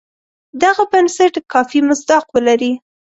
دغه بنسټ کافي مصداق ولري.